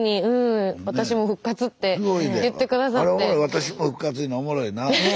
「私も復活」いうのおもろいな。